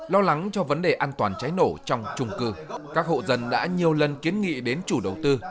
lo lắng cho vấn đề an toàn cháy nổ trong trung cư các hộ dân đã nhiều lần kiến nghị đến chủ đầu tư